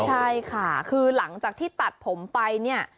ใช่ค่ะคือหลังจากที่ตัดผมไปเนี่ย